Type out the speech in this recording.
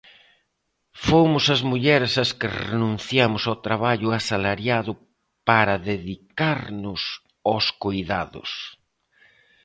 Fomos as mulleres as que renunciamos ao traballo asalariado para dedicarnos aos coidados.